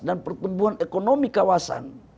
dan pertumbuhan ekonomi kawasan